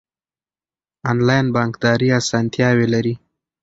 انلاین بانکداري اسانتیاوې لري.